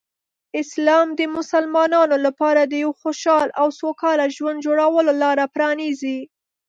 اسلام د مسلمانانو لپاره د یو خوشحال او سوکاله ژوند جوړولو لاره پرانیزي.